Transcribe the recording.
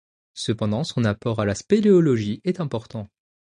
Cependant, son apport à la spéléologie est important.